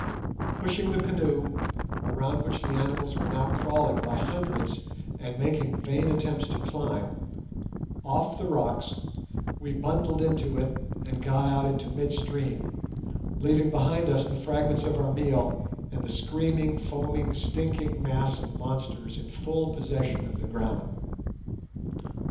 Pushing the canoe, around which the animals were now crawling by hundreds and making vain attempts to climb, off the rocks, we bundled into it and got out into mid stream, leaving behind us the fragments of our meal and the screaming, foaming, stinking mass of monsters in full possession of the ground.